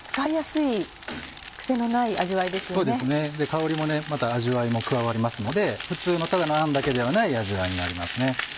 香りもまた味わいも加わりますので普通のただのあんだけではない味わいになりますね。